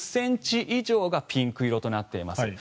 １０ｃｍ以上がピンク色となっています。